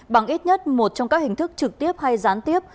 bằng ít nhất một trong các hình thức trực tiếp hay gián tiếp